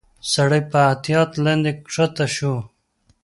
سړی په احتياط لاندي کښته شو.